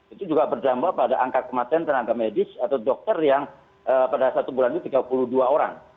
itu juga berdampak pada angka kematian tenaga medis atau dokter yang pada satu bulan itu tiga puluh dua orang